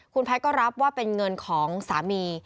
คุณแพทย์ก็รับว่าเป็นเงินของสามี